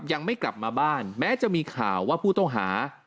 ยังไม่กลับมาบ้านแม้จะมีข่าวว่าผู้ต้องหา